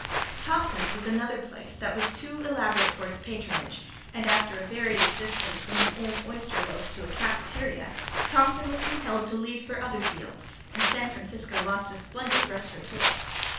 Thompson's was another place that was too elaborate for its patronage and after a varied existence from the old Oyster Loaf to a cafeteria Thompson was compelled to leave for other fields and San Francisco lost a splendid restaurateur.